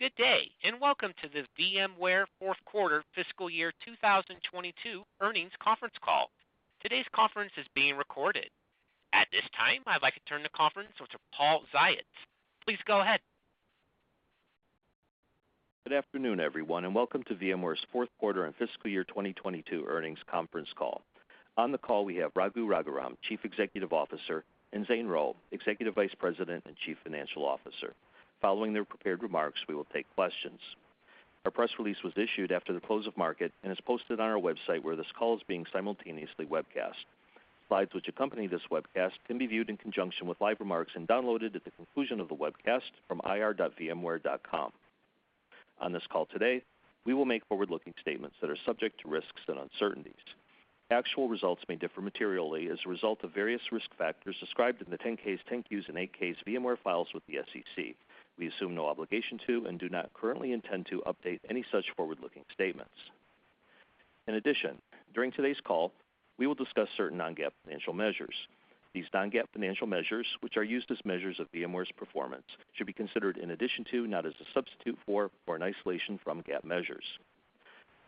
Good day, and Welcome to the VMware Fourth Quarter Fiscal Year 2022 Earnings Conference Call. Today's conference is being recorded. At this time, I'd like to turn the conference over to Paul Ziots. Please go ahead. Good afternoon, everyone, and Welcome to VMware's Fourth Quarter and Fiscal year 2022 Earnings Conference Call. On the call, we have Raghu Raghuram, Chief Executive Officer, and Zane Rowe, Executive Vice President and Chief Financial Officer. Following their prepared remarks, we will take questions. Our press release was issued after the close of market and is posted on our website, where this call is being simultaneously webcast. Slides which accompany this webcast can be viewed in conjunction with live remarks and downloaded at the conclusion of the webcast from ir.vmware.com. On this call today, we will make forward-looking statements that are subject to risks and uncertainties. Actual results may differ materially as a result of various risk factors described in the 10-Ks, 10-Qs, and 8-Ks VMware files with the SEC. We assume no obligation to and do not currently intend to update any such forward-looking statements. In addition, during today's call, we will discuss certain non-GAAP financial measures. These non-GAAP financial measures, which are used as measures of VMware's performance, should be considered in addition to, not as a substitute for, or in isolation from GAAP measures.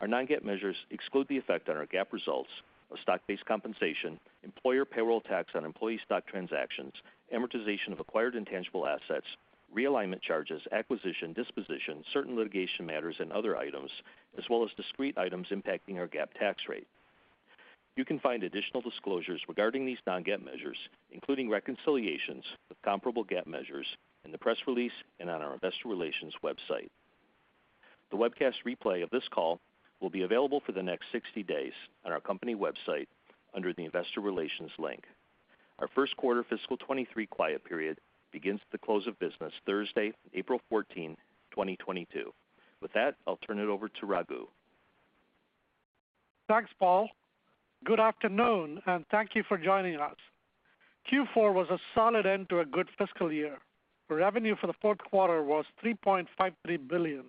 Our non-GAAP measures exclude the effect on our GAAP results of stock-based compensation, employer payroll tax on employee stock transactions, amortization of acquired intangible assets, realignment charges, acquisition, disposition, certain litigation matters and other items, as well as discrete items impacting our GAAP tax rate. You can find additional disclosures regarding these non-GAAP measures, including reconciliations with comparable GAAP measures, in the press release and on our investor relations website. The webcast replay of this call will be available for the next 60 days on our company website under the Investor Relations link. Our first quarter fiscal 2023 quiet period begins at the close of business Thursday, April 14, 2022. With that, I'll turn it over to Raghu. Thanks, Paul. Good afternoon, and thank you for joining us. Q4 was a solid end to a good fiscal year. Revenue for the fourth quarter was $3.53 billion,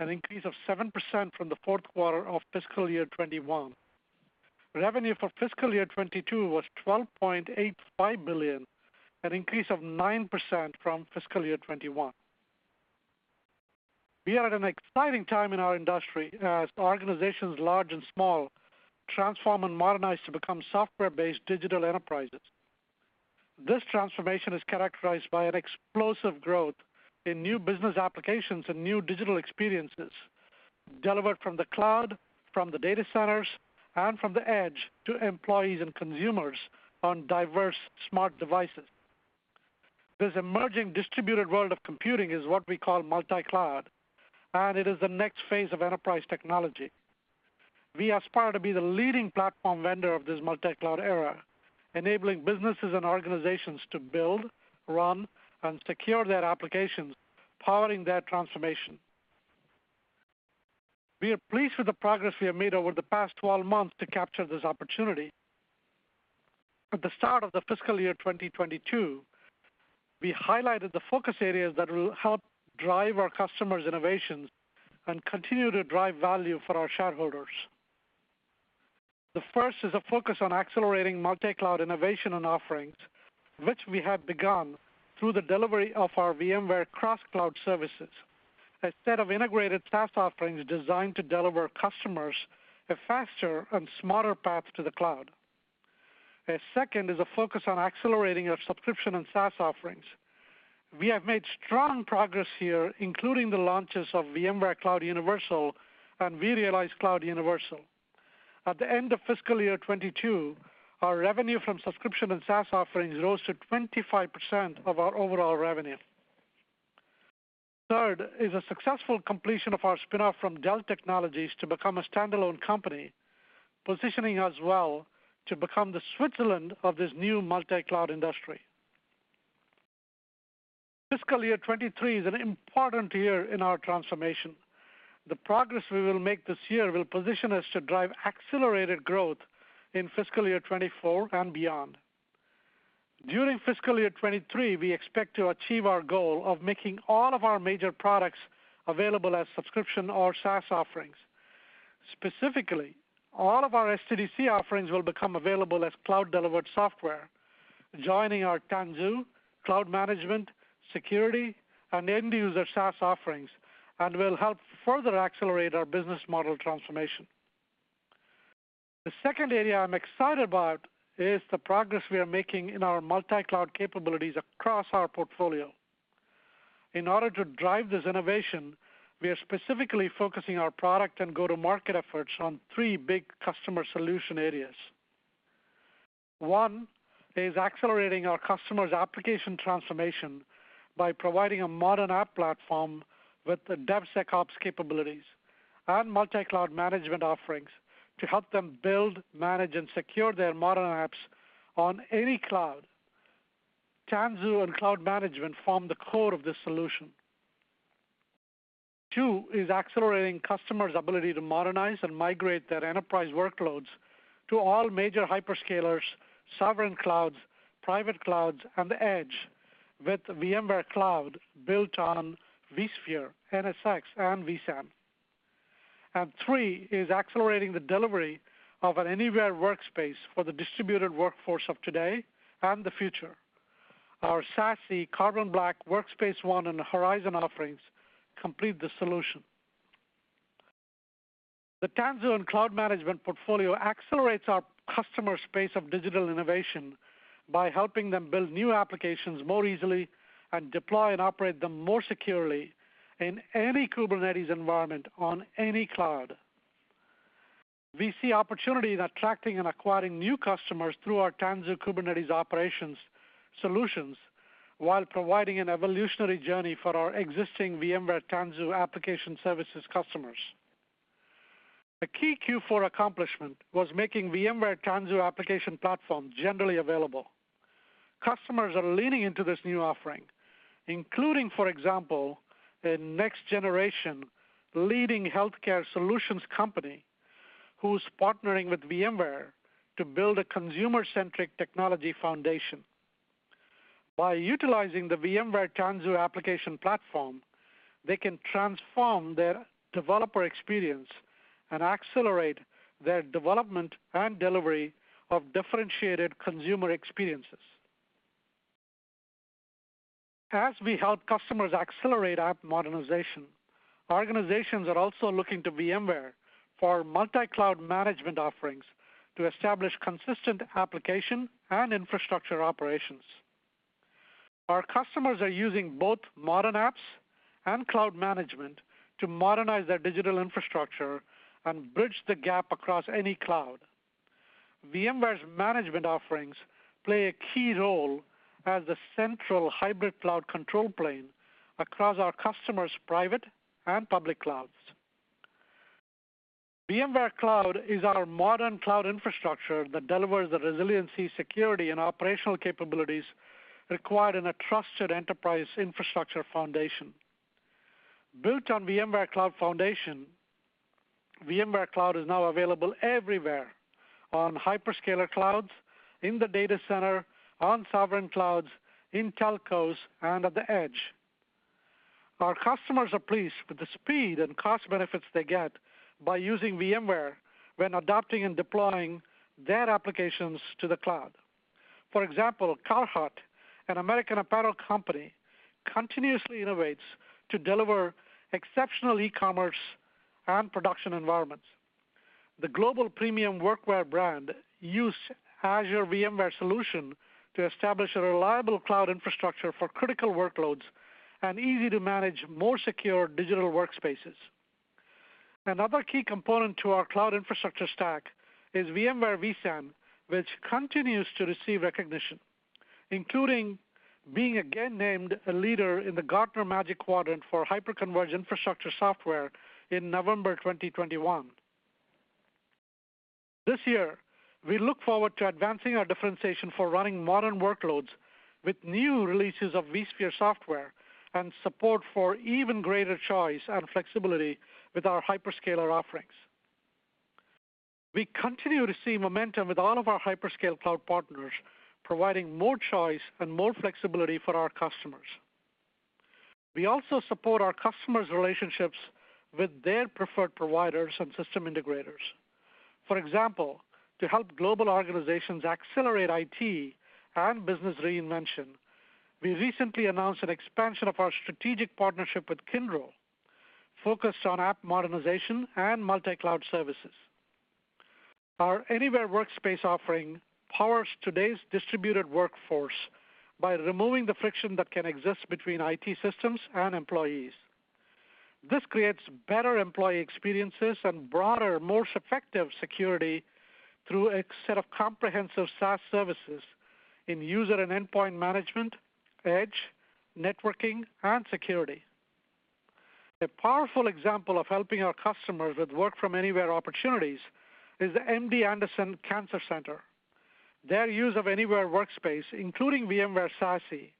an increase of 7% from the fourth quarter of fiscal year 2021. Revenue for fiscal year 2022 was $12.85 billion, an increase of 9% from fiscal year 2021. We are at an exciting time in our industry as organizations large and small transform and modernize to become software-based digital enterprises. This transformation is characterized by an explosive growth in new business applications and new digital experiences delivered from the cloud, from the data centers, and from the edge to employees and consumers on diverse smart devices. This emerging distributed world of computing is what we call multi-cloud, and it is the next phase of enterprise technology. We aspire to be the leading platform vendor of this multi-cloud era, enabling businesses and organizations to build, run, and secure their applications, powering their transformation. We are pleased with the progress we have made over the past twelve months to capture this opportunity. At the start of the fiscal year 2022, we highlighted the focus areas that will help drive our customers' innovations and continue to drive value for our shareholders. The first is a focus on accelerating multi-cloud innovation and offerings, which we have begun through the delivery of our VMware Cross-Cloud services, a set of integrated SaaS offerings designed to deliver customers a faster and smarter path to the cloud. A second is a focus on accelerating our subscription and SaaS offerings. We have made strong progress here, including the launches of VMware Cloud Universal and vRealize Cloud Universal. At the end of fiscal year 2022, our revenue from subscription and SaaS offerings rose to 25% of our overall revenue. Third is a successful completion of our spin-off from Dell Technologies to become a standalone company, positioning us well to become the Switzerland of this new multi-cloud industry. Fiscal year 2023 is an important year in our transformation. The progress we will make this year will position us to drive accelerated growth in fiscal year 2024 and beyond. During fiscal year 2023, we expect to achieve our goal of making all of our major products available as subscription or SaaS offerings. Specifically, all of our SDDC offerings will become available as cloud-delivered software, joining our Tanzu, cloud management, security, and end user SaaS offerings and will help further accelerate our business model transformation. The second area I'm excited about is the progress we are making in our multi-cloud capabilities across our portfolio. In order to drive this innovation, we are specifically focusing our product and go-to-market efforts on three big customer solution areas. One is accelerating our customers' application transformation by providing a modern app platform with DevSecOps capabilities and multi-cloud management offerings to help them build, manage, and secure their modern apps on any cloud. Tanzu and Cloud Management form the core of this solution. Two is accelerating customers' ability to modernize and migrate their enterprise workloads to all major hyperscalers, sovereign clouds, private clouds, and the edge with VMware Cloud built on vSphere, NSX, and vSAN. Three is accelerating the delivery of an anywhere workspace for the distributed workforce of today and the future. Our SASE, Carbon Black, Workspace ONE and Horizon offerings complete the solution. The Tanzu and cloud management portfolio accelerates our customers' pace of digital innovation by helping them build new applications more easily and deploy and operate them more securely in any Kubernetes environment on any cloud. We see opportunity in attracting and acquiring new customers through our Tanzu Kubernetes operations solutions while providing an evolutionary journey for our existing VMware Tanzu application services customers. A key Q4 accomplishment was making VMware Tanzu Application Platform generally available. Customers are leaning into this new offering, including, for example, a next-generation leading healthcare solutions company, who's partnering with VMware to build a consumer-centric technology foundation. By utilizing the VMware Tanzu Application Platform, they can transform their developer experience and accelerate their development and delivery of differentiated consumer experiences. As we help customers accelerate app modernization, organizations are also looking to VMware for multi-cloud management offerings to establish consistent application and infrastructure operations. Our customers are using both modern apps and cloud management to modernize their digital infrastructure and bridge the gap across any cloud. VMware's management offerings play a key role as the central hybrid cloud control plane across our customers' private and public clouds. VMware Cloud is our modern cloud infrastructure that delivers the resiliency, security, and operational capabilities required in a trusted enterprise infrastructure foundation. Built on VMware Cloud Foundation, VMware Cloud is now available everywhere on hyperscaler clouds, in the data center, on sovereign clouds, in telcos, and at the edge. Our customers are pleased with the speed and cost benefits they get by using VMware when adapting and deploying their applications to the cloud. For example, Carhartt, an American apparel company, continuously innovates to deliver exceptional e-commerce and production environments. The global premium workwear brand use Azure VMware Solution to establish a reliable cloud infrastructure for critical workloads and easy to manage, more secure digital workspaces. Another key component to our cloud infrastructure stack is VMware vSAN, which continues to receive recognition, including being again named a leader in the Gartner Magic Quadrant for hyperconverged infrastructure software in November 2021. This year we look forward to advancing our differentiation for running modern workloads with new releases of vSphere software and support for even greater choice and flexibility with our hyperscaler offerings. We continue to see momentum with all of our hyperscale cloud partners, providing more choice and more flexibility for our customers. We also support our customers' relationships with their preferred providers and system integrators. For example, to help global organizations accelerate IT and business reinvention, we recently announced an expansion of our strategic partnership with Kyndryl, focused on app modernization and multi-cloud services. Our anywhere workspace offering powers today's distributed workforce by removing the friction that can exist between IT systems and employees. This creates better employee experiences and broader, more effective security through a set of comprehensive SaaS services in user and endpoint management, edge, networking, and security. A powerful example of helping our customers with work from anywhere opportunities is the MD Anderson Cancer Center. Their use of anywhere workspace, including VMware SASE,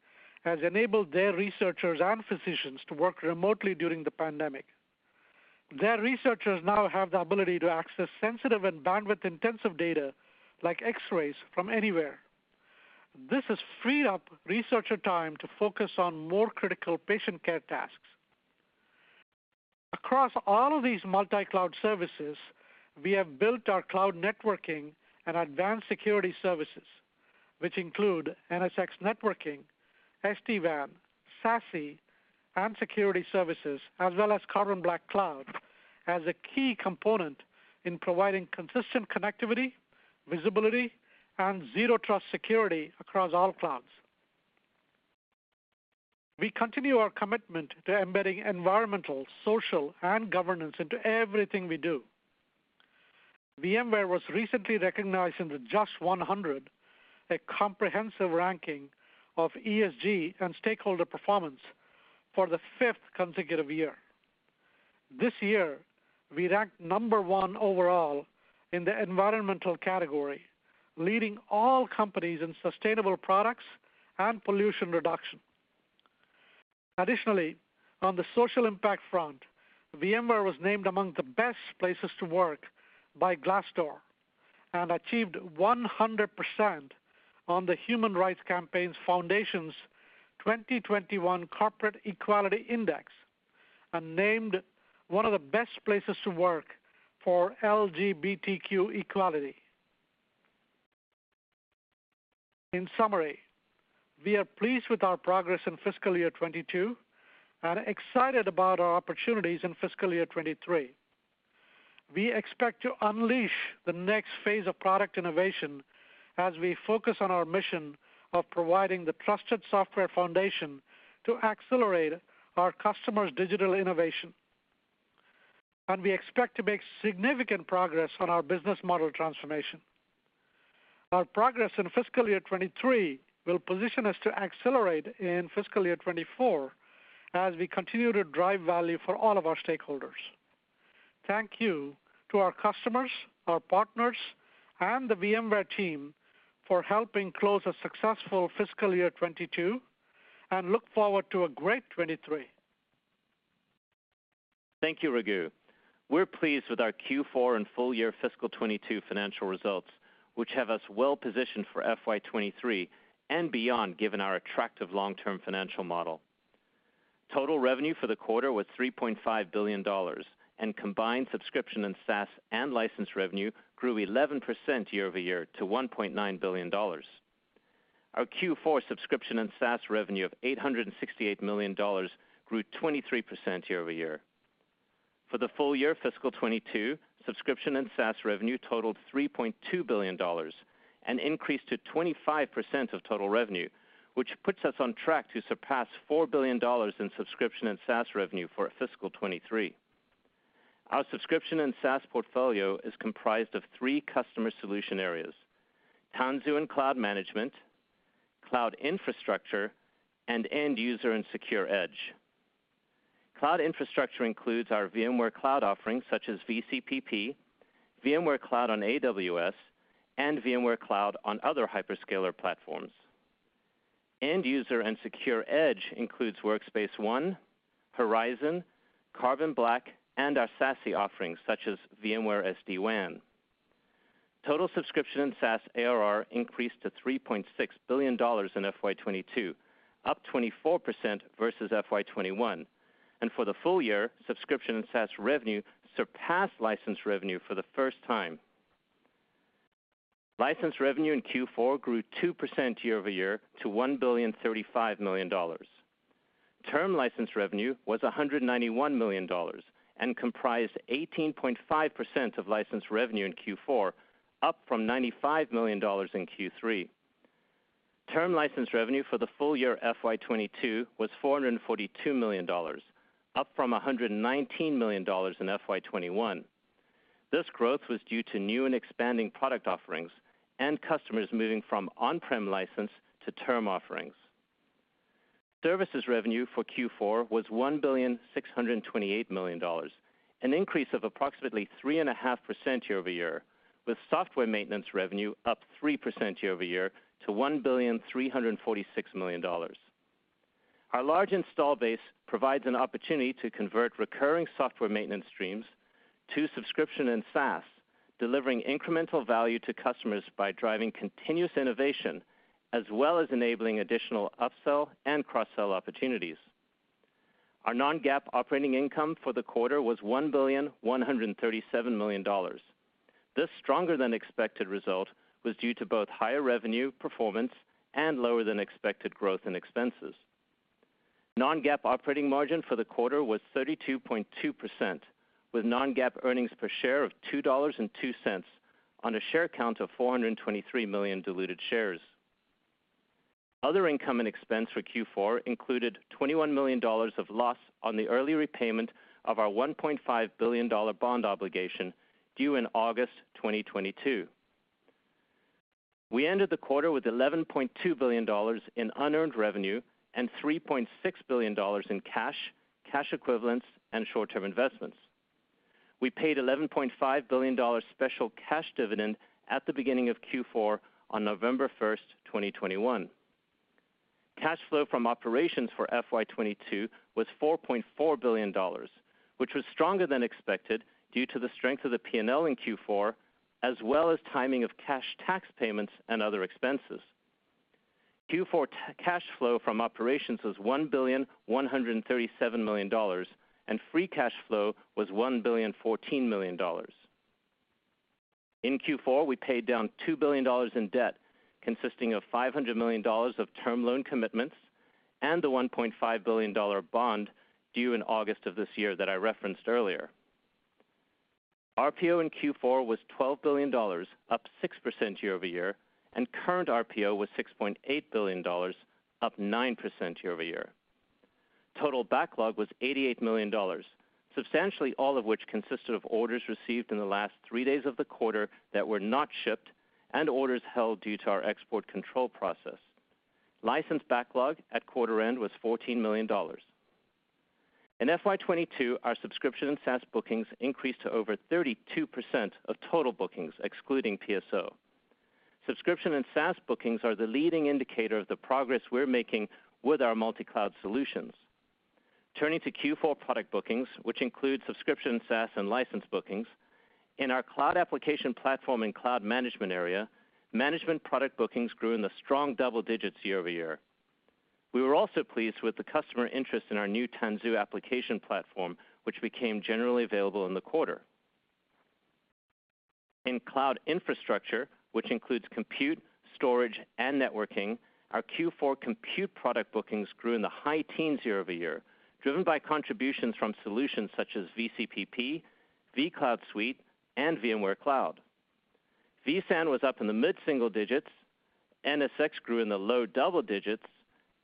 has enabled their researchers and physicians to work remotely during the pandemic. Their researchers now have the ability to access sensitive and bandwidth intensive data like X-rays from anywhere. This has freed up researcher time to focus on more critical patient care tasks. Across all of these multi-cloud services, we have built our cloud networking and advanced security services, which include NSX networking, SD-WAN, SASE, and security services, as well as Carbon Black Cloud, as a key component in providing consistent connectivity, visibility, and zero trust security across all clouds. We continue our commitment to embedding environmental, social, and governance into everything we do. VMware was recently recognized in the JUST 100, a comprehensive ranking of ESG and stakeholder performance for the fifth consecutive year. This year, we ranked number one overall in the environmental category, leading all companies in sustainable products and pollution reduction. Additionally, on the social impact front, VMware was named among the best places to work by Glassdoor. It achieved 100% on the Human Rights Campaign Foundation's 2021 Corporate Equality Index and was named one of the best places to work for LGBTQ equality. In summary, we are pleased with our progress in fiscal year 2022 and excited about our opportunities in fiscal year 2023. We expect to unleash the next phase of product innovation as we focus on our mission of providing the trusted software foundation to accelerate our customers' digital innovation. We expect to make significant progress on our business model transformation. Our progress in fiscal year 2023 will position us to accelerate in fiscal year 2024 as we continue to drive value for all of our stakeholders. Thank you to our customers, our partners, and the VMware team for helping close a successful fiscal year 2022 and look forward to a great 2023. Thank you, Raghu. We're pleased with our Q4 and full year fiscal 2022 financial results, which have us well positioned for FY 2023 and beyond, given our attractive long-term financial model. Total revenue for the quarter was $3.5 billion, and combined subscription and SaaS and license revenue grew 11% year-over-year to $1.9 billion. Our Q4 subscription and SaaS revenue of $868 million grew 23% year-over-year. For the full year fiscal 2022, subscription and SaaS revenue totaled $3.2 billion, an increase to 25% of total revenue, which puts us on track to surpass $4 billion in subscription and SaaS revenue for fiscal 2023. Our subscription and SaaS portfolio is comprised of three customer solution areas: Tanzu and Cloud Management, Cloud Infrastructure, and End User and Secure Edge. Cloud Infrastructure includes our VMware cloud offerings such as VCPP, VMware Cloud on AWS, and VMware Cloud on other hyperscaler platforms. End User and Secure Edge includes Workspace ONE, Horizon, Carbon Black, and our SASE offerings such as VMware SD-WAN. Total subscription and SaaS ARR increased to $3.6 billion in FY 2022, up 24% versus FY 2021. For the full year, subscription and SaaS revenue surpassed license revenue for the first time. License revenue in Q4 grew 2% year-over-year to $1.035 billion. Term license revenue was $191 million and comprised 18.5% of license revenue in Q4, up from $95 million in Q3. Term license revenue for the full year FY 2022 was $442 million, up from $119 million in FY 2021. This growth was due to new and expanding product offerings and customers moving from on-prem license to term offerings. Services revenue for Q4 was $1.628 billion, an increase of approximately 3.5% year-over-year, with software maintenance revenue up 3% year-over-year to $1.346 billion. Our large install base provides an opportunity to convert recurring software maintenance streams to subscription and SaaS, delivering incremental value to customers by driving continuous innovation as well as enabling additional upsell and cross-sell opportunities. Our non-GAAP operating income for the quarter was $1.137 billion. This stronger than expected result was due to both higher revenue performance and lower than expected growth in expenses. Non-GAAP operating margin for the quarter was 32.2%, with non-GAAP earnings per share of $2.02 on a share count of 423 million diluted shares. Other income and expense for Q4 included $21 million of loss on the early repayment of our $1.5 billion bond obligation due in August 2022. We ended the quarter with $11.2 billion in unearned revenue and $3.6 billion in cash equivalents, and short-term investments. We paid $11.5 billion special cash dividend at the beginning of Q4 on November 1, 2021. Cash flow from operations for FY 2022 was $4.4 billion, which was stronger than expected due to the strength of the P&L in Q4, as well as timing of cash tax payments and other expenses. Q4 cash flow from operations was $1.137 billion, and free cash flow was $1.014 billion. In Q4, we paid down $2 billion in debt, consisting of $500 million of term loan commitments and the $1.5 billion bond due in August of this year that I referenced earlier. RPO in Q4 was $12 billion, up 6% year-over-year, and current RPO was $6.8 billion, up 9% year-over-year. Total backlog was $88 million, substantially all of which consisted of orders received in the last three days of the quarter that were not shipped and orders held due to our export control process. License backlog at quarter end was $14 million. In FY 2022, our subscription and SaaS bookings increased to over 32% of total bookings excluding PSO. Subscription and SaaS bookings are the leading indicator of the progress we're making with our multi-cloud solutions. Turning to Q4 product bookings, which include subscription, SaaS, and license bookings. In our cloud application platform and cloud management area, management product bookings grew in the strong double digits year-over-year. We were also pleased with the customer interest in our new Tanzu Application Platform, which became generally available in the quarter. In cloud infrastructure, which includes compute, storage, and networking, our Q4 compute product bookings grew in the high teens year-over-year, driven by contributions from solutions such as VCPP, vCloud Suite, and VMware Cloud. vSAN was up in the mid-single digits, NSX grew in the low double digits,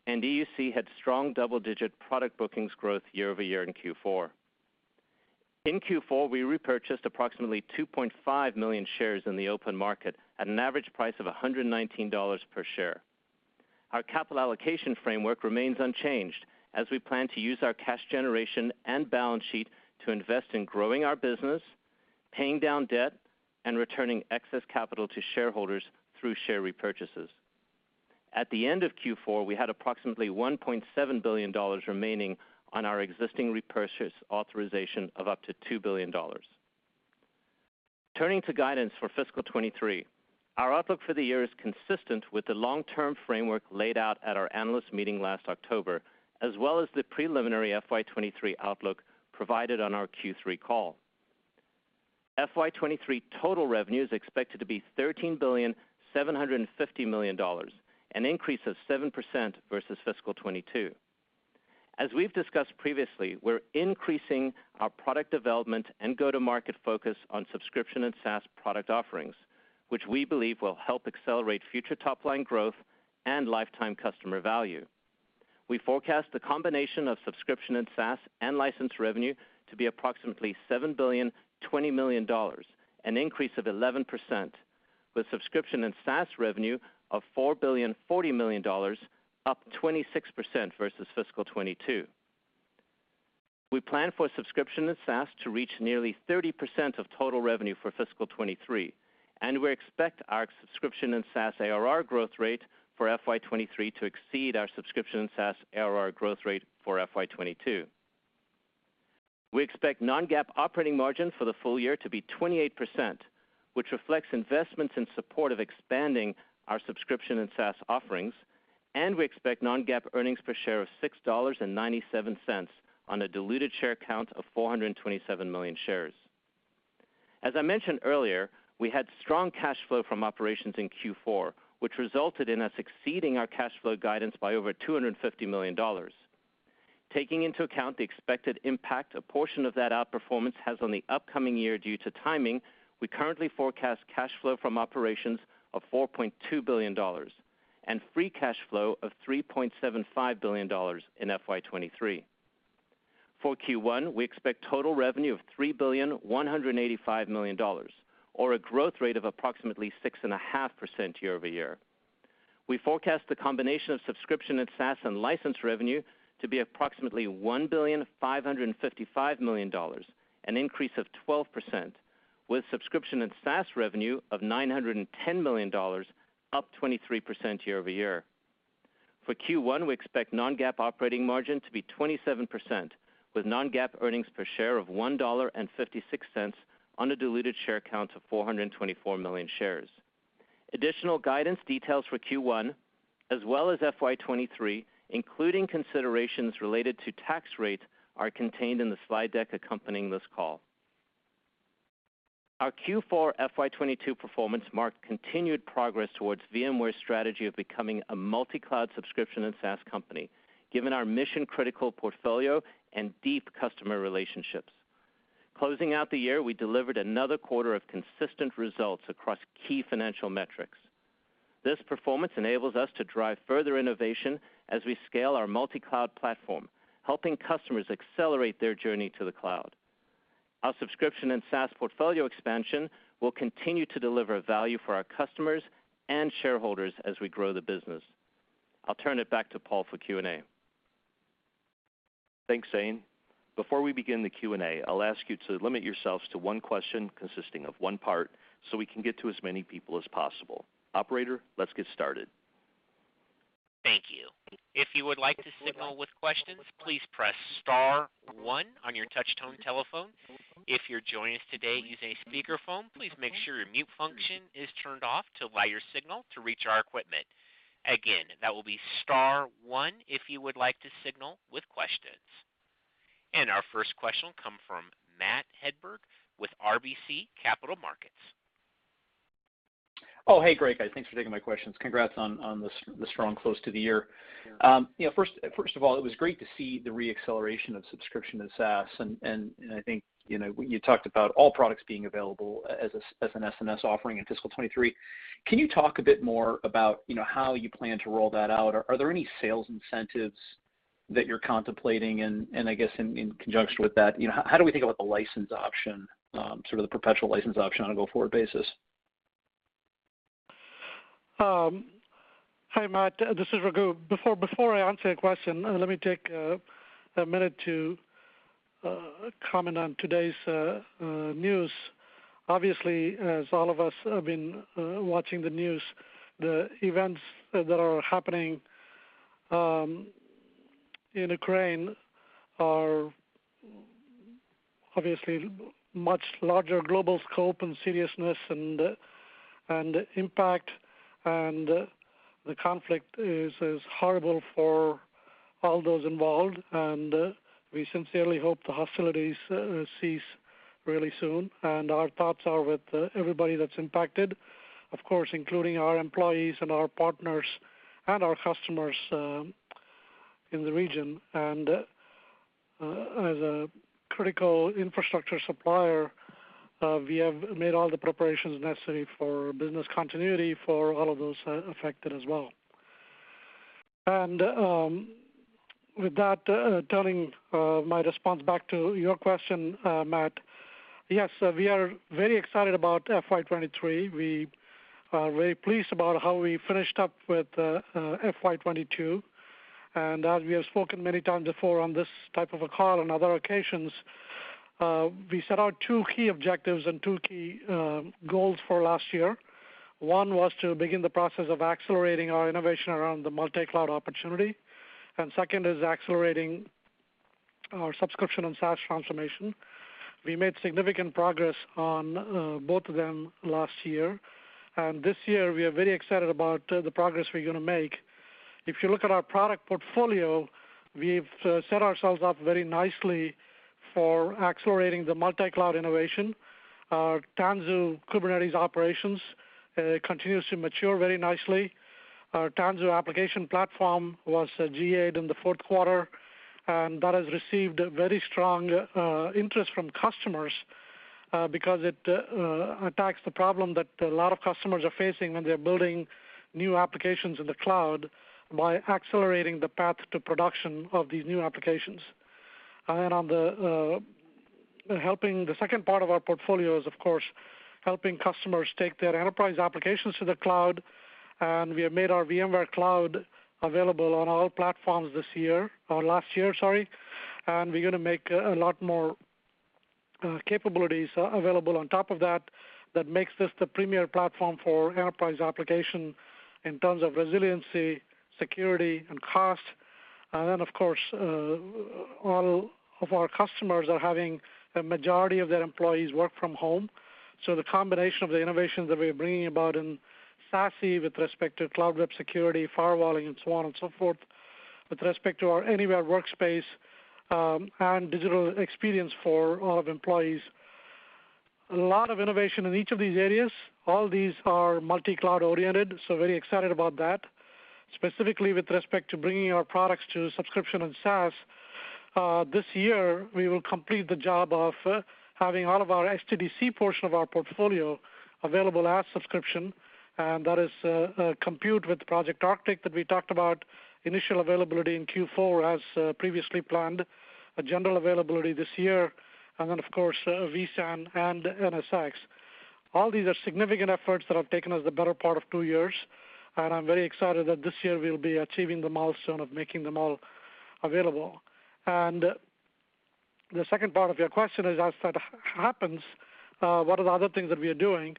and EUC had strong double-digit product bookings growth year-over-year in Q4. In Q4, we repurchased approximately 2.5 million shares in the open market at an average price of $119 per share. Our capital allocation framework remains unchanged as we plan to use our cash generation and balance sheet to invest in growing our business, paying down debt, and returning excess capital to shareholders through share repurchases. At the end of Q4, we had approximately $1.7 billion remaining on our existing repurchase authorization of up to $2 billion. Turning to guidance for FY 2023, our outlook for the year is consistent with the long-term framework laid out at our analyst meeting last October, as well as the preliminary FY 2023 outlook provided on our Q3 call. FY 2023 total revenue is expected to be $13.75 billion, an increase of 7% versus FY 2022. As we've discussed previously, we're increasing our product development and go-to-market focus on subscription and SaaS product offerings, which we believe will help accelerate future top-line growth and lifetime customer value. We forecast the combination of subscription and SaaS and license revenue to be approximately $7.02 billion, an increase of 11%, with subscription and SaaS revenue of $4.04 billion, up 26% versus FY 2022. We plan for subscription and SaaS to reach nearly 30% of total revenue for fiscal 2023, and we expect our subscription and SaaS ARR growth rate for FY 2023 to exceed our subscription and SaaS ARR growth rate for FY 2022. We expect non-GAAP operating margin for the full year to be 28%, which reflects investments in support of expanding our subscription and SaaS offerings, and we expect non-GAAP earnings per share of $6.97 on a diluted share count of 427 million shares. As I mentioned earlier, we had strong cash flow from operations in Q4, which resulted in us exceeding our cash flow guidance by over $250 million. Taking into account the expected impact a portion of that outperformance has on the upcoming year due to timing, we currently forecast cash flow from operations of $4.2 billion and free cash flow of $3.75 billion in FY 2023. For Q1, we expect total revenue of $3.185 billion, or a growth rate of approximately 6.5% year-over-year. We forecast the combination of subscription and SaaS and license revenue to be approximately $1.555 billion, an increase of 12%, with subscription and SaaS revenue of $910 million, up 23% year-over-year. For Q1, we expect non-GAAP operating margin to be 27%, with non-GAAP earnings per share of $1.56 on a diluted share count of 424 million shares. Additional guidance details for Q1 as well as FY 2023, including considerations related to tax rate, are contained in the slide deck accompanying this call. Our Q4 FY 2022 performance marked continued progress towards VMware's strategy of becoming a multi-cloud subscription and SaaS company, given our mission-critical portfolio and deep customer relationships. Closing out the year, we delivered another quarter of consistent results across key financial metrics. This performance enables us to drive further innovation as we scale our multi-cloud platform, helping customers accelerate their journey to the cloud. Our subscription and SaaS portfolio expansion will continue to deliver value for our customers and shareholders as we grow the business. I'll turn it back to Paul for Q&A. Thanks, Zane. Before we begin the Q&A, I'll ask you to limit yourselves to one question consisting of one part, so we can get to as many people as possible. Operator, let's get started. Thank you. If you would like to signal with questions, please press star one on your touchtone telephone. If you're joining us today using a speakerphone, please make sure your mute function is turned off to allow your signal to reach our equipment. Again, that will be star one if you would like to signal with questions. Our first question will come from Matt Hedberg with RBC Capital Markets. Oh, hey, great, guys. Thanks for taking my questions. Congrats on the strong close to the year. You know, first of all, it was great to see the re-acceleration of subscription and SaaS, and I think, you know, you talked about all products being available as a SaaS offering in fiscal 2023. Can you talk a bit more about, you know, how you plan to roll that out? Are there any sales incentives that you're contemplating? I guess in conjunction with that, you know, how do we think about the license option, sort of the perpetual license option on a go-forward basis? Hi, Matt. This is Raghu. Before I answer your question, let me take a minute to comment on today's news. Obviously, as all of us have been watching the news, the events that are happening in Ukraine are obviously much larger global scope and seriousness and impact. The conflict is horrible for all those involved, and we sincerely hope the hostilities cease really soon. Our thoughts are with everybody that's impacted, of course, including our employees and our partners and our customers in the region. As a critical infrastructure supplier, we have made all the preparations necessary for business continuity for all of those affected as well. With that, turning my response back to your question, Matt. Yes, we are very excited about FY 2023. We are very pleased about how we finished up with FY 2022. As we have spoken many times before on this type of a call and other occasions, we set out two key objectives and two key goals for last year. One was to begin the process of accelerating our innovation around the multi-cloud opportunity. Second is accelerating our subscription and SaaS transformation. We made significant progress on both of them last year. This year we are very excited about the progress we're gonna make. If you look at our product portfolio, we've set ourselves up very nicely for accelerating the multi-cloud innovation. Our Tanzu Kubernetes Operations continues to mature very nicely. Our Tanzu Application Platform was GA'd in the fourth quarter, and that has received a very strong interest from customers because it attacks the problem that a lot of customers are facing when they're building new applications in the cloud by accelerating the path to production of these new applications. The second part of our portfolio is, of course, helping customers take their enterprise applications to the cloud. We have made our VMware Cloud available on all platforms this year or last year, sorry. We're gonna make a lot more capabilities available on top of that makes this the premier platform for enterprise application in terms of resiliency, security, and cost. Of course, all of our customers are having a majority of their employees work from home. The combination of the innovations that we are bringing about in SASE with respect to cloud web security, firewalling and so on and so forth, with respect to our anywhere workspace and digital experience for all of employees. A lot of innovation in each of these areas. All these are multi-cloud oriented, so very excited about that. Specifically with respect to bringing our products to subscription and SaaS, this year, we will complete the job of having all of our SDDC portion of our portfolio available as subscription, and that is, compute with Project Arctic that we talked about, initial availability in Q4 as previously planned, a general availability this year. Then of course, vSAN and NSX. All these are significant efforts that have taken us the better part of two years, and I'm very excited that this year we'll be achieving the milestone of making them all available. The second part of your question is, as that happens, what are the other things that we are doing?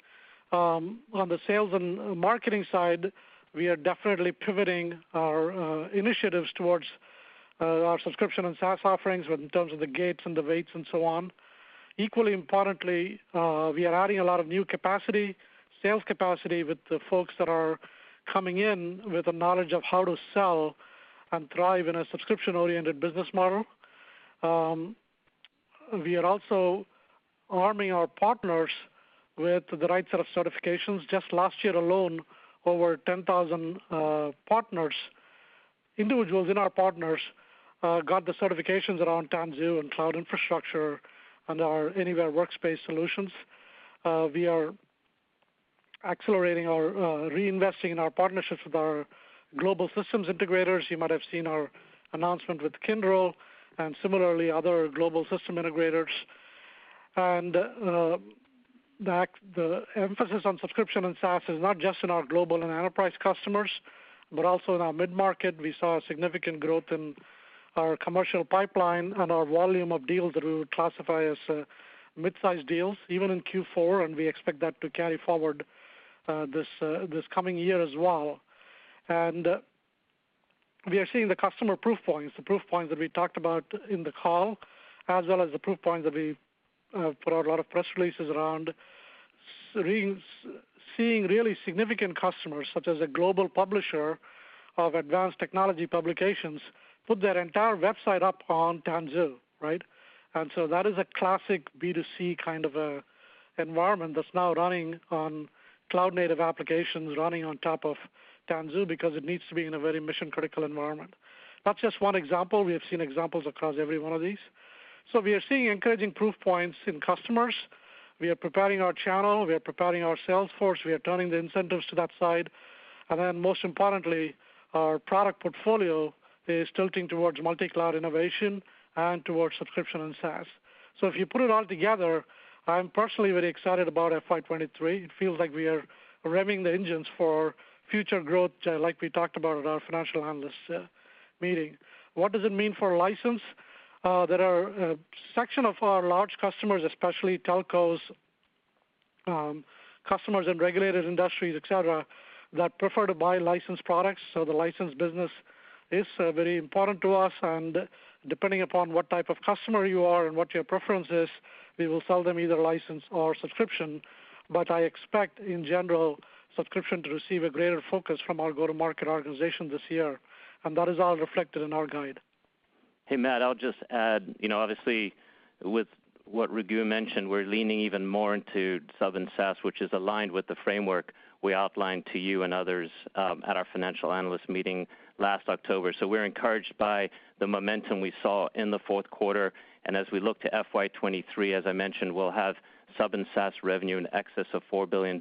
On the sales and marketing side, we are definitely pivoting our initiatives towards our subscription and SaaS offerings in terms of the gates and the weights and so on. Equally importantly, we are adding a lot of new capacity, sales capacity with the folks that are coming in with the knowledge of how to sell and thrive in a subscription-oriented business model. We are also arming our partners with the right set of certifications. Just last year alone, over 10,000 partners, individuals in our partners, got the certifications around Tanzu and cloud infrastructure and our anywhere workspace solutions. We are accelerating our reinvesting in our partnerships with our global systems integrators. You might have seen our announcement with Kyndryl and similarly other global system integrators. The emphasis on subscription and SaaS is not just in our global and enterprise customers, but also in our mid-market. We saw a significant growth in our commercial pipeline and our volume of deals that we would classify as mid-sized deals even in Q4, and we expect that to carry forward this coming year as well. We are seeing the customer proof points, the proof points that we talked about in the call, as well as the proof points that we put out a lot of press releases around. Seeing really significant customers, such as a global publisher of advanced technology publications, put their entire website up on Tanzu, right? That is a classic B2C kind of environment that's now running on cloud native applications, running on top of Tanzu because it needs to be in a very mission-critical environment. That's just one example. We have seen examples across every one of these. We are seeing encouraging proof points in customers. We are preparing our channel, we are preparing our sales force, we are turning the incentives to that side. Then most importantly, our product portfolio is tilting towards multi-cloud innovation and towards subscription and SaaS. If you put it all together, I'm personally very excited about FY 2023. It feels like we are revving the engines for future growth, like we talked about at our financial analyst meeting. What does it mean for license? There are a section of our large customers, especially telcos, customers in regulated industries, et cetera, that prefer to buy licensed products. The license business is very important to us, and depending upon what type of customer you are and what your preference is, we will sell them either license or subscription. I expect, in general, subscription to receive a greater focus from our go-to-market organization this year, and that is all reflected in our guide. Hey, Matt, I'll just add. You know, obviously, with what Raghu mentioned, we're leaning even more into sub and SaaS, which is aligned with the framework we outlined to you and others at our financial analyst meeting last October. We're encouraged by the momentum we saw in the fourth quarter. As we look to FY 2023, as I mentioned, we'll have sub and SaaS revenue in excess of $4 billion,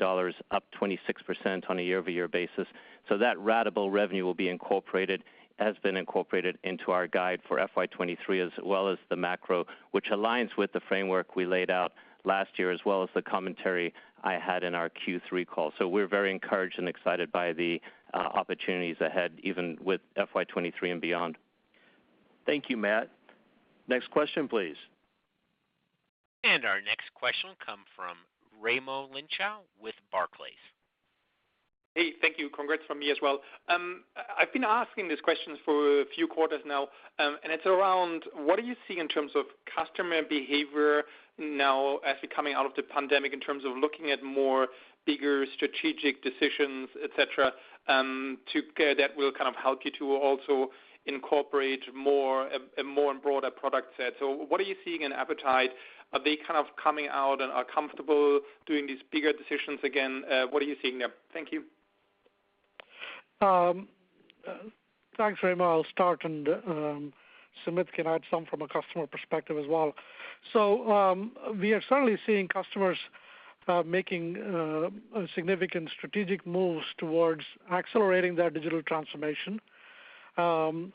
up 26% on a year-over-year basis. That ratable revenue will be incorporated, has been incorporated into our guide for FY 2023 as well as the macro, which aligns with the framework we laid out last year, as well as the commentary I had in our Q3 call. We're very encouraged and excited by the opportunities ahead, even with FY 2023 and beyond. Thank you, Matt. Next question, please. Our next question will come from Raimo Lenschow with Barclays. Hey, thank you. Congrats from me as well. I've been asking these questions for a few quarters now, and it's around, what do you see in terms of customer behavior now as we're coming out of the pandemic in terms of looking at more bigger strategic decisions, et cetera, that will kind of help you to also incorporate more, a more and broader product set? So what are you seeing in appetite? Are they kind of coming out and are comfortable doing these bigger decisions again? What are you seeing there? Thank you. Thanks, Raimo. I'll start, and Sumit can add some from a customer perspective as well. We are certainly seeing customers making significant strategic moves towards accelerating their digital transformation,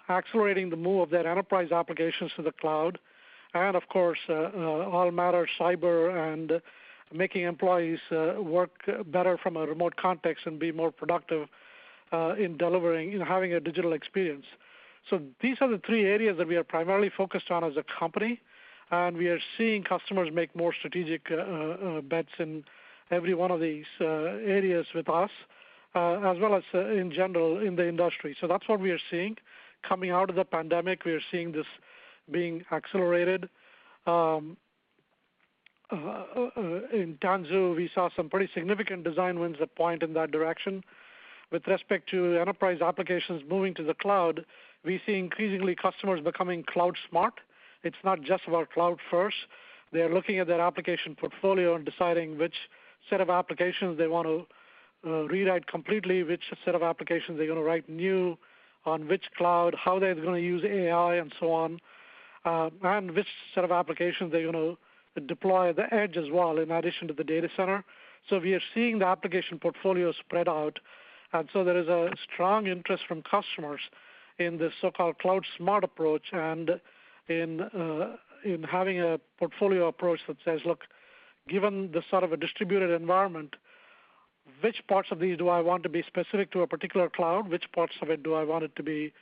accelerating the move of their enterprise applications to the cloud, and of course, cybersecurity and making employees work better from a remote context and be more productive in delivering and having a digital experience. These are the three areas that we are primarily focused on as a company, and we are seeing customers make more strategic bets in every one of these areas with us as well as in general in the industry. That's what we are seeing. Coming out of the pandemic, we are seeing this being accelerated. In Tanzu, we saw some pretty significant design wins that point in that direction. With respect to enterprise applications moving to the cloud, we see increasingly customers becoming cloud smart. It's not just about cloud first. They are looking at their application portfolio and deciding which set of applications they want to rewrite completely, which set of applications they're going to write new, on which cloud, how they're going to use AI, and so on, and which set of applications they're gonna deploy at the edge as well, in addition to the data center. We are seeing the application portfolio spread out, and so there is a strong interest from customers in the so-called cloud smart approach and in having a portfolio approach that says, "Look, given the sort of a distributed environment, which parts of these do I want to be specific to a particular cloud? Which parts of it do I want it to be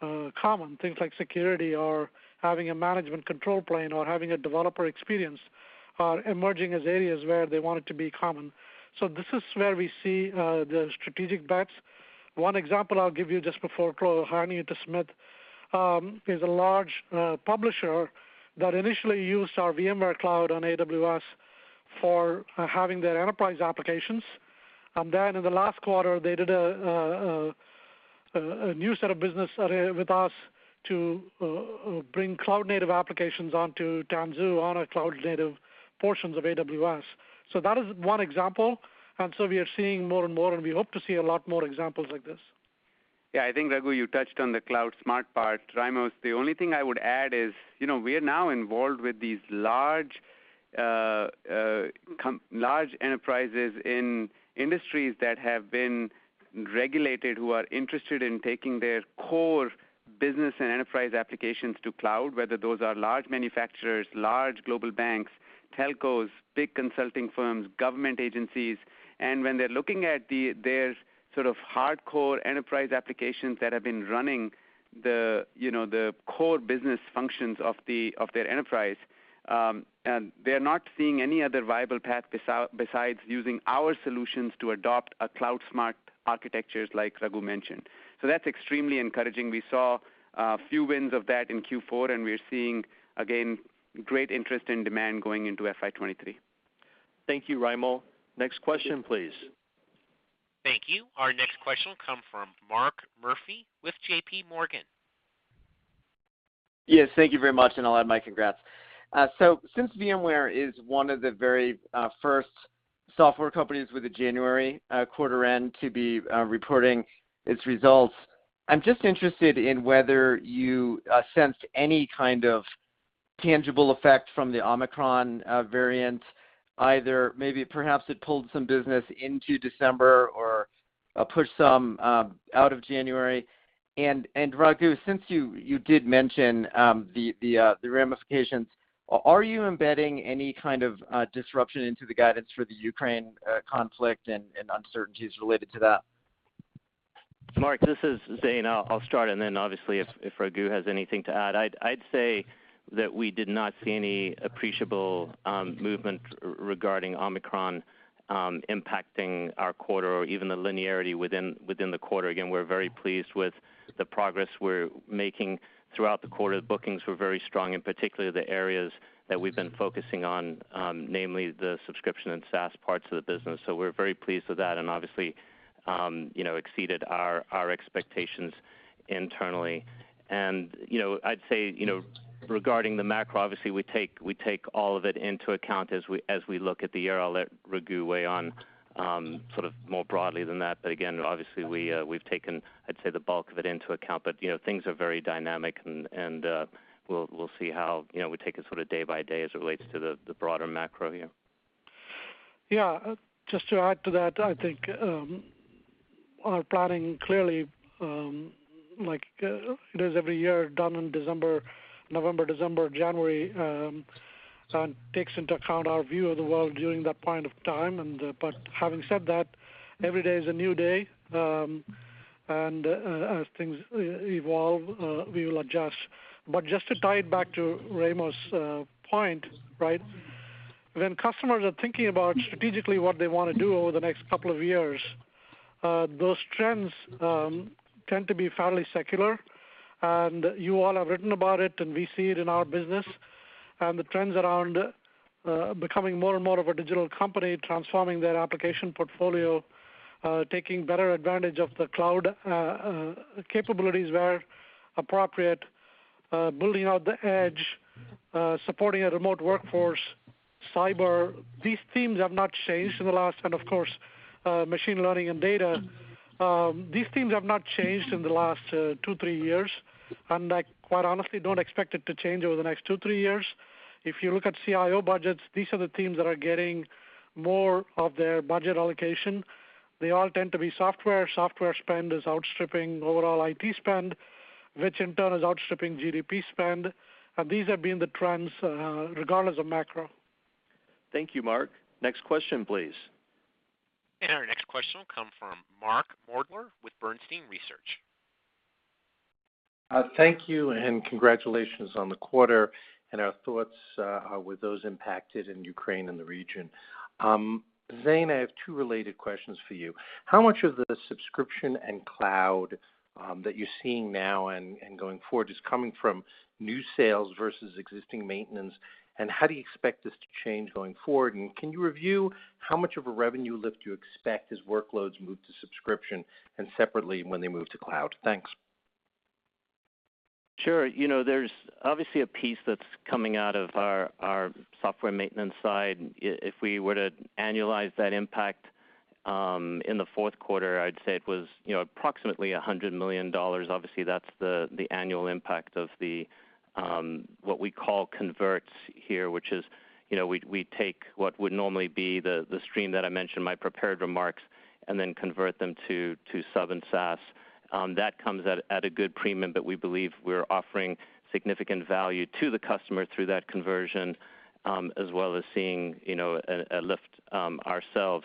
common?" Things like security or having a management control plane or having a developer experience are emerging as areas where they want it to be common. This is where we see the strategic bets. One example I'll give you just before I hand you to Sumit is a large publisher that initially used our VMware Cloud on AWS for having their enterprise applications. In the last quarter, they did a new set of business with us to bring cloud native applications onto Tanzu on a cloud native portions of AWS. That is one example. We are seeing more and more, and we hope to see a lot more examples like this. Yeah. I think, Raghu, you touched on the cloud smart part, Raimo. The only thing I would add is, you know, we are now involved with these large enterprises in industries that have been regulated, who are interested in taking their core business and enterprise applications to cloud, whether those are large manufacturers, large global banks, telcos, big consulting firms, government agencies. When they're looking at their sort of hardcore enterprise applications that have been running the, you know, the core business functions of the, of their enterprise, they're not seeing any other viable path besides using our solutions to adopt a cloud smart architectures like Raghu mentioned. That's extremely encouraging. We saw a few wins of that in Q4, and we're seeing, again, great interest and demand going into FY 2023. Thank you, Raimo. Next question, please. Thank you. Our next question will come from Mark Murphy with JPMorgan. Yes, thank you very much, and I'll add my congrats. Since VMware is one of the very first software companies with a January quarter end to be reporting its results, I'm just interested in whether you sensed any kind of Tangible effect from the Omicron variant, either maybe perhaps it pulled some business into December or pushed some out of January. Raghu, since you did mention the ramifications, are you embedding any kind of disruption into the guidance for the Ukraine conflict and uncertainties related to that? Mark, this is Zane. I'll start, and then obviously if Raghu has anything to add. I'd say that we did not see any appreciable movement regarding Omicron impacting our quarter or even the linearity within the quarter. Again, we're very pleased with the progress we're making throughout the quarter. The bookings were very strong, and particularly the areas that we've been focusing on, namely the subscription and SaaS parts of the business. We're very pleased with that and obviously, you know, we exceeded our expectations internally. You know, I'd say, you know, regarding the macro, obviously we take all of it into account as we look at the year. I'll let Raghu weigh in on sort of more broadly than that. Again, obviously we've taken, I'd say, the bulk of it into account. You know, things are very dynamic and we'll see how, you know, we take it sort of day by day as it relates to the broader macro here. Yeah. Just to add to that, I think our planning clearly like it is every year done in December, November, December, January and takes into account our view of the world during that point of time. Having said that, every day is a new day. As things evolve, we will adjust. Just to tie it back to Raimo’s point, right? When customers are thinking about strategically what they wanna do over the next couple of years, those trends tend to be fairly secular. You all have written about it, and we see it in our business. The trends around becoming more and more of a digital company, transforming their application portfolio, taking better advantage of the cloud capabilities where appropriate, building out the edge, supporting a remote workforce, cyber. Of course, machine learning and data. These themes have not changed in the last two, three years, and I quite honestly don't expect it to change over the next two, three years. If you look at CIO budgets, these are the themes that are getting more of their budget allocation. They all tend to be software. Software spend is outstripping overall IT spend, which in turn is outstripping GDP spend. These have been the trends, regardless of macro. Thank you, Mark. Next question, please. Our next question will come from Mark Moerdler with Bernstein Research. Thank you, and congratulations on the quarter. Our thoughts are with those impacted in Ukraine and the region. Zane, I have two related questions for you. How much of the subscription and cloud that you're seeing now and going forward is coming from new sales versus existing maintenance, and how do you expect this to change going forward? Can you review how much of a revenue lift you expect as workloads move to subscription, and separately, when they move to cloud? Thanks. Sure. You know, there's obviously a piece that's coming out of our software maintenance side. If we were to annualize that impact in the fourth quarter, I'd say it was, you know, approximately $100 million. Obviously, that's the annual impact of the what we call converts here, which is, you know, we take what would normally be the stream that I mentioned in my prepared remarks, and then convert them to sub and SaaS. That comes at a good premium, but we believe we're offering significant value to the customer through that conversion, as well as seeing, you know, a lift ourselves.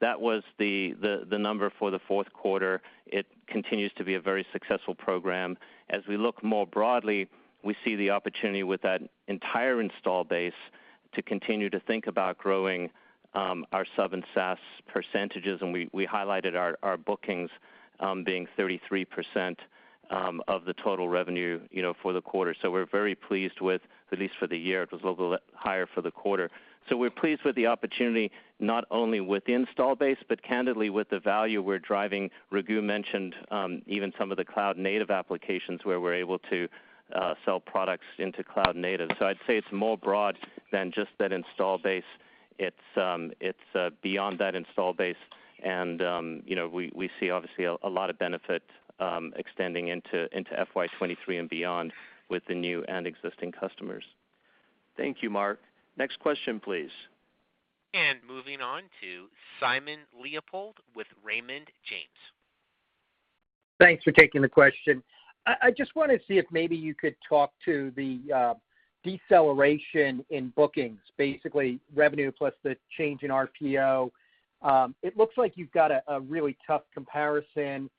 That was the number for the fourth quarter. It continues to be a very successful program. As we look more broadly, we see the opportunity with that entire installed base to continue to think about growing our sub and SaaS percentages. We highlighted our bookings being 33% of the total revenue, you know, for the quarter. We're very pleased with, at least for the year. It was a little bit higher for the quarter. We're pleased with the opportunity, not only with the installed base, but candidly with the value we're driving. Raghu mentioned even some of the cloud-native applications where we're able to sell products into cloud native. I'd say it's more broad than just that installed base. It's beyond that installed base. You know, we see obviously a lot of benefit extending into FY 2023 and beyond with the new and existing customers. Thank you, Mark. Next question, please. Moving on to Simon Leopold with Raymond James. Thanks for taking the question. I just wanna see if maybe you could talk to the deceleration in bookings, basically revenue plus the change in RPO. It looks like you've got a really tough comparison.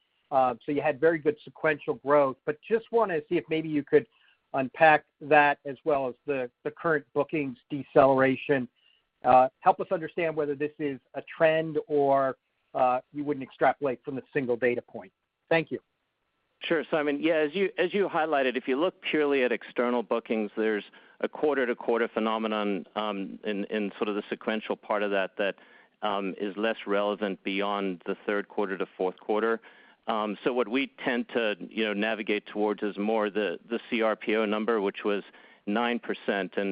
You had very good sequential growth, but just wanna see if maybe you could unpack that as well as the current bookings deceleration. Help us understand whether this is a trend or you wouldn't extrapolate from the single data point. Thank you. Sure, Simon. Yeah, as you highlighted, if you look purely at external bookings, there's a quarter-to-quarter phenomenon in sort of the sequential part of that that is less relevant beyond the third quarter to fourth quarter. So what we tend to, you know, navigate towards is more the CRPO number, which was 9%,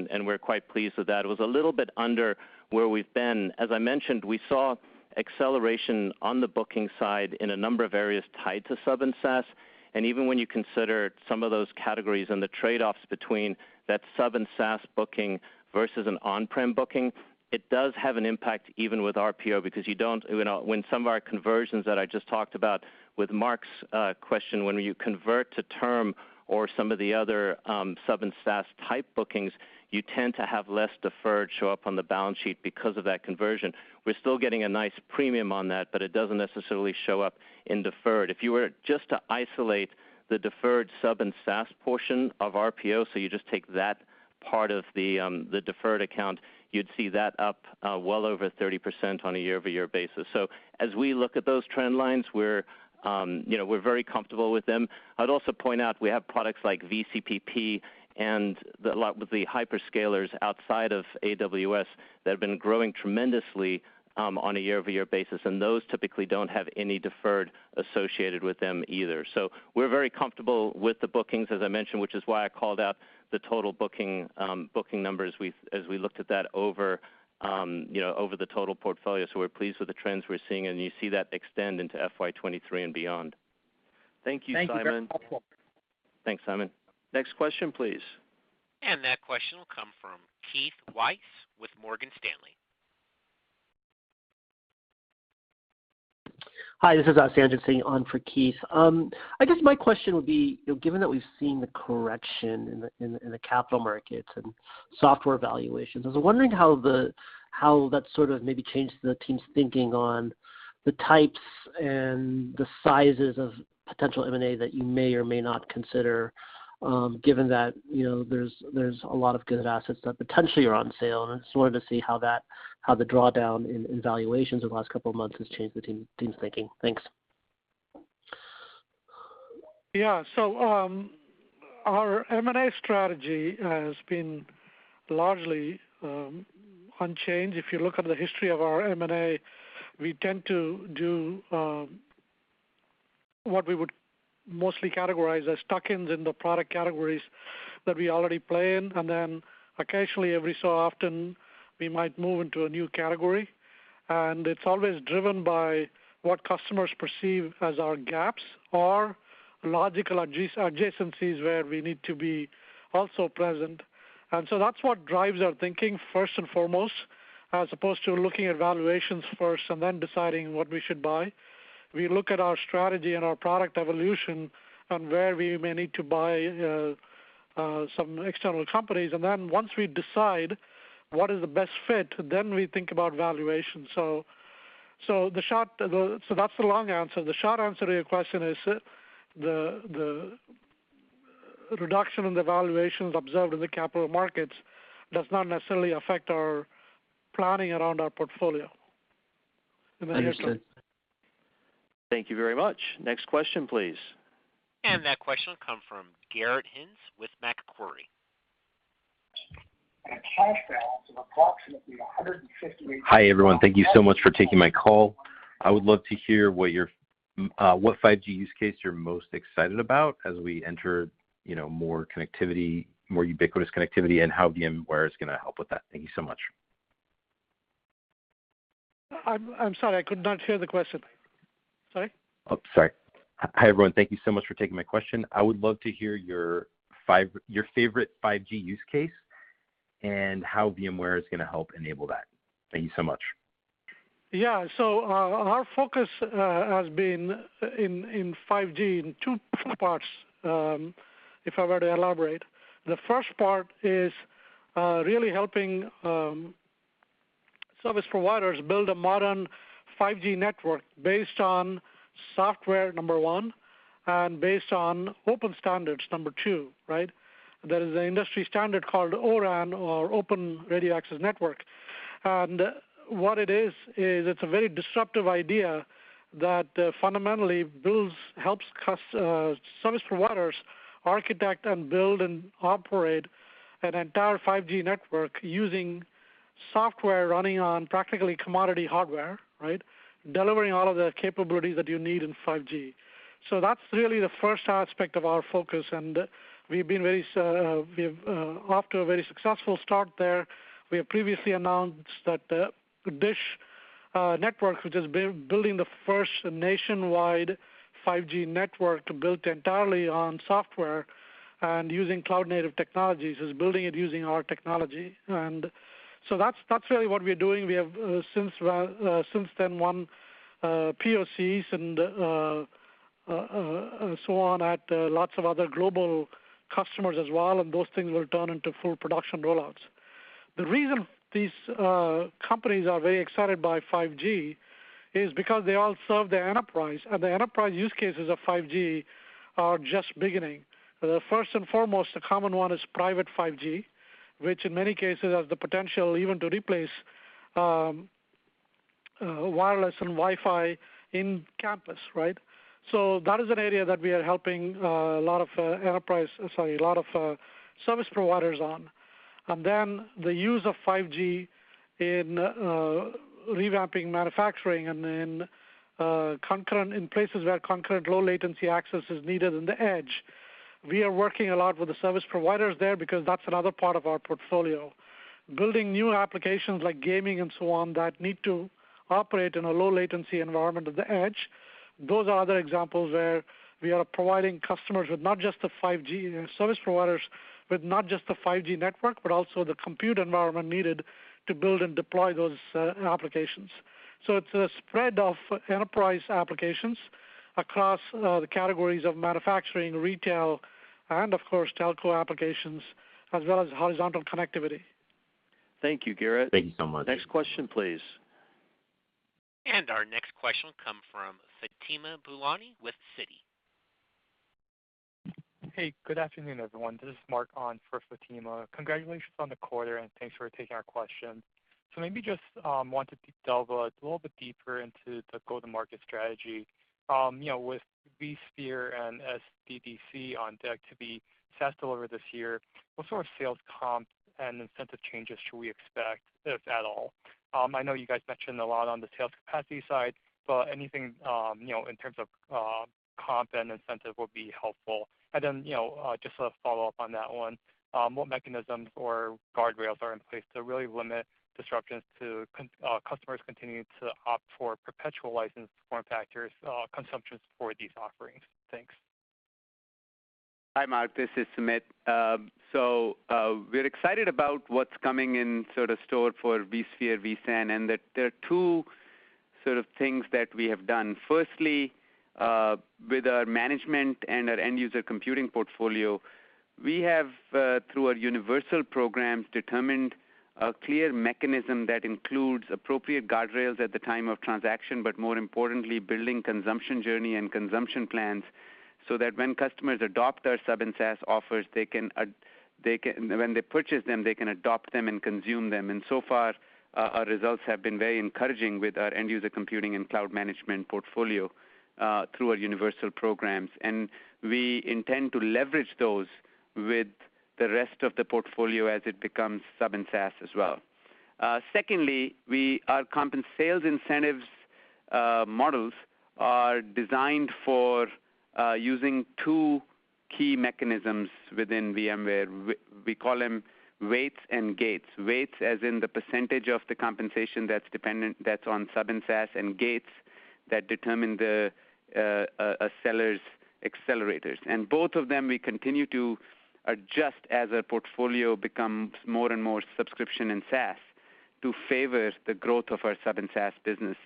and we're quite pleased with that. It was a little bit under where we've been. As I mentioned, we saw acceleration on the booking side in a number of areas tied to sub and SaaS. Even when you consider some of those categories and the trade-offs between that sub and SaaS booking versus an on-prem booking, it does have an impact even with RPO because you don't, you know, when some of our conversions that I just talked about with Mark's question, when you convert to term or some of the other sub and SaaS type bookings, you tend to have less deferred show up on the balance sheet because of that conversion. We're still getting a nice premium on that, but it doesn't necessarily show up in deferred. If you were just to isolate the deferred sub and SaaS portion of RPO, so you just take that part of the deferred account, you'd see that up well over 30% on a year-over-year basis. As we look at those trend lines, we're very comfortable with them. I'd also point out we have products like VCPP and a lot with the hyperscalers outside of AWS that have been growing tremendously on a year-over-year basis, and those typically don't have any deferred revenue associated with them either. We're very comfortable with the bookings, as I mentioned, which is why I called out the total booking numbers as we looked at that over the total portfolio. We're pleased with the trends we're seeing, and you see that extend into FY 2023 and beyond. Thank you, Simon. Thanks, Simon. Next question, please. That question will come from Keith Weiss with Morgan Stanley. Hi, this is Sanjit sitting in for Keith. I guess my question would be, you know, given that we've seen the correction in the capital markets and software valuations, I was wondering how that sort of maybe changed the team's thinking on the types and the sizes of potential M&A that you may or may not consider, given that, you know, there's a lot of good assets that potentially are on sale. I just wanted to see how that, how the drawdown in valuations over the last couple of months has changed the team's thinking. Thanks. Yeah. Our M&A strategy has been largely unchanged. If you look at the history of our M&A, we tend to do what we would mostly categorize as tuck-ins in the product categories that we already play in. Occasionally, every so often, we might move into a new category. It's always driven by what customers perceive as our gaps or logical adjacencies where we need to be also present. That's what drives our thinking first and foremost, as opposed to looking at valuations first and then deciding what we should buy. We look at our strategy and our product evolution and where we may need to buy some external companies. Once we decide what is the best fit, then we think about valuation. That's the long answer. The short answer to your question is the reduction in the valuations observed in the capital markets does not necessarily affect our planning around our portfolio. Understood. Thank you very much. Next question, please. That question will come from Garrett Hinds with Macquarie. Hi, everyone. Thank you so much for taking my call. I would love to hear what 5G use case you're most excited about as we enter more connectivity, more ubiquitous connectivity, and how VMware is gonna help with that. Thank you so much. I'm sorry, I could not hear the question. Sorry. Oh, sorry. Hi, everyone. Thank you so much for taking my question. I would love to hear your favorite 5G use case and how VMware is gonna help enable that. Thank you so much. Our focus has been in 5G in two parts, if I were to elaborate. The first part is really helping service providers build a modern 5G network based on software, number one, and based on open standards, number two, right. There is an industry standard called ORAN or Open Radio Access Network. And what it is it's a very disruptive idea that fundamentally helps service providers architect and build and operate an entire 5G network using software running on practically commodity hardware, right. Delivering all of the capabilities that you need in 5G. That's really the first aspect of our focus, and we've been off to a very successful start there. We have previously announced that DISH Network, which is building the first nationwide 5G network built entirely on software and using cloud native technologies, is building it using our technology. That's really what we are doing. We have since then won POCs and so on at lots of other global customers as well, and those things were turned into full production rollouts. The reason these companies are very excited by 5G is because they all serve the enterprise, and the enterprise use cases of 5G are just beginning. The first and foremost common one is private 5G, which in many cases has the potential even to replace wireless and Wi-Fi in campus, right? That is an area that we are helping a lot of service providers on. The use of 5G in revamping manufacturing and in places where concurrent low latency access is needed in the edge. We are working a lot with the service providers there because that's another part of our portfolio. Building new applications like gaming and so on that need to operate in a low latency environment at the edge, those are other examples where we are providing service providers with not just the 5G network, but also the compute environment needed to build and deploy those applications. It's a spread of enterprise applications across the categories of manufacturing, retail, and of course, telco applications, as well as horizontal connectivity. Thank you, Garrett. Thank you so much. Next question, please. Our next question will come from Fatima Boolani with Citi. Hey, good afternoon, everyone. This is Mark on for Fatima. Congratulations on the quarter, and thanks for taking our question. Maybe just wanted to delve a little bit deeper into the go-to-market strategy. You know, with vSphere and SDDC on deck to be SaaS delivered this year, what sort of sales comp and incentive changes should we expect, if at all? I know you guys mentioned a lot on the sales capacity side, but anything, you know, in terms of comp and incentive would be helpful. You know, just a follow-up on that one, what mechanisms or guardrails are in place to really limit disruptions to customers continuing to opt for perpetual license form factors, consumptions for these offerings? Thanks. Hi, Mark, this is Sumit. We're excited about what's coming in store for vSphere, vSAN, and there are two sort of things that we have done. Firstly, with our cloud management and our end user computing portfolio, we have, through our universal programs, determined a clear mechanism that includes appropriate guardrails at the time of transaction, but more importantly, building consumption journey and consumption plans so that when customers adopt our sub and SaaS offers, when they purchase them, they can adopt them and consume them. So far, our results have been very encouraging with our end user computing and cloud management portfolio, through our universal programs. We intend to leverage those with the rest of the portfolio as it becomes sub and SaaS as well. Secondly, our comp and sales incentives models are designed for using two key mechanisms within VMware. We call them weights and gates. Weights as in the percentage of the compensation that's dependent on sub and SaaS, and gates that determine a seller's accelerators. Both of them, we continue to adjust as a portfolio becomes more and more subscription and SaaS to favor the growth of our sub and SaaS business.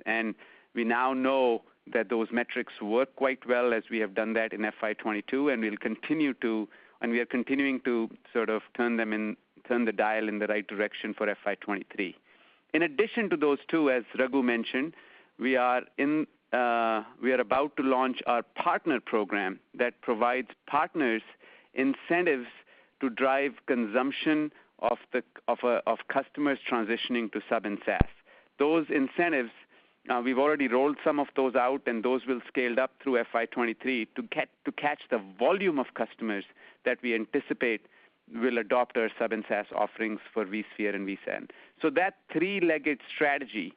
We now know that those metrics work quite well as we have done that in FY 2022, and we'll continue to, and we are continuing to sort of turn them in, turn the dial in the right direction for FY 2023. In addition to those two, as Raghu mentioned, we are about to launch our partner program that provides partners incentives to drive consumption of customers transitioning to sub and SaaS. Those incentives, we've already rolled some of those out, and those will scale up through FY 2023 to catch the volume of customers that we anticipate will adopt our sub and SaaS offerings for vSphere and vSAN. That three-legged strategy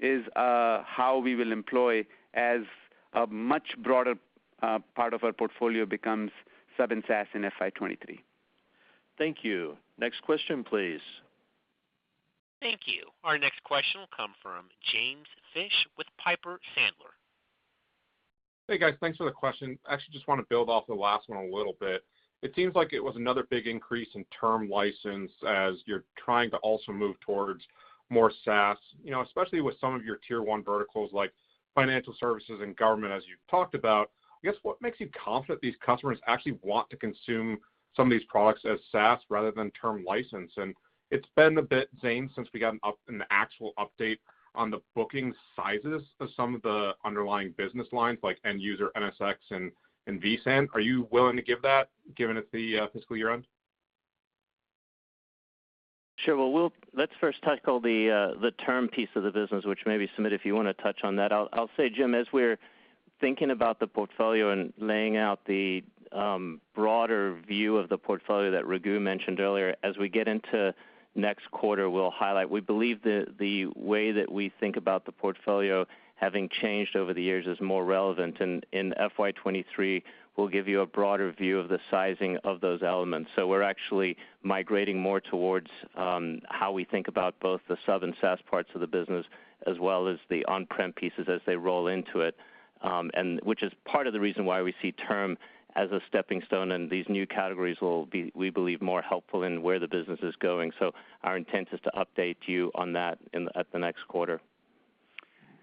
is how we will employ, as a much broader part of our portfolio becomes sub and SaaS in FY 2023. Thank you. Next question, please. Thank you. Our next question will come from James Fish with Piper Sandler. Hey, guys. Thanks for the question. I actually just want to build off the last one a little bit. It seems like it was another big increase in term license as you're trying to also move towards more SaaS. You know, especially with some of your tier one verticals like financial services and government as you've talked about. I guess what makes you confident these customers actually want to consume some of these products as SaaS rather than term license? It's been a bit, Zane, since we got an actual update on the booking sizes of some of the underlying business lines like end user NSX and vSAN. Are you willing to give that given it's the fiscal year end? Sure. Well, let's first tackle the term piece of the business, which maybe, Sumit, if you wanna touch on that. I'll say, Jim, as we're thinking about the portfolio and laying out the broader view of the portfolio that Raghu mentioned earlier, as we get into next quarter, we'll highlight. We believe the way that we think about the portfolio having changed over the years is more relevant. In FY 2023, we'll give you a broader view of the sizing of those elements. We're actually migrating more towards how we think about both the sub and SaaS parts of the business, as well as the on-prem pieces as they roll into it, and which is part of the reason why we see term as a stepping stone, and these new categories will be, we believe, more helpful in where the business is going. Our intent is to update you on that at the next quarter.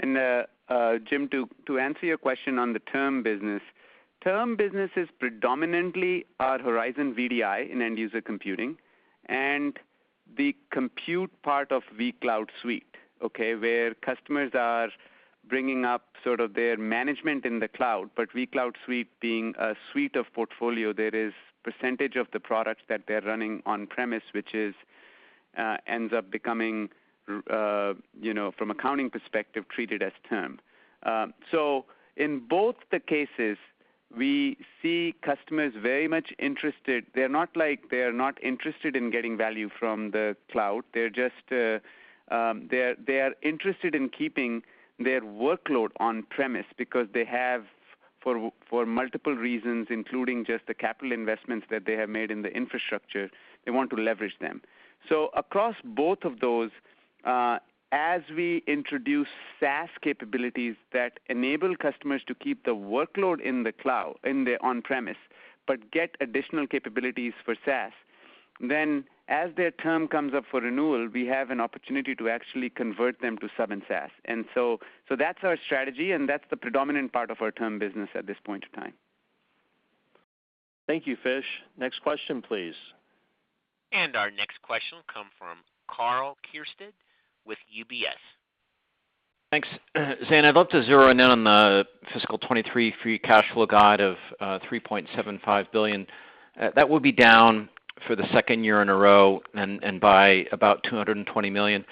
Jim, to answer your question on the term business, term business is predominantly our Horizon VDI in end user computing and the compute part of vCloud Suite, okay, where customers are Bringing up sort of their management in the cloud, but vCloud Suite being a suite of portfolio, there is percentage of the products that they're running on-premises, which ends up becoming, you know, from accounting perspective, treated as term. In both cases, we see customers very much interested. They're not interested in getting value from the cloud. They're just interested in keeping their workload on-premises because they have for multiple reasons, including just the capital investments that they have made in the infrastructure, they want to leverage them. Across both of those, as we introduce SaaS capabilities that enable customers to keep the workload in the cloud, in the on-premises, but get additional capabilities for SaaS, then as their term comes up for renewal, we have an opportunity to actually convert them to sub and SaaS. That's our strategy, and that's the predominant part of our term business at this point in time. Thank you, Fish. Next question, please. Our next question come from Karl Keirstead with UBS. Thanks. Zane, I'd love to zero in on the fiscal 2023 free cash flow guide of $3.75 billion. That would be down for the second year in a row and by about $220 million.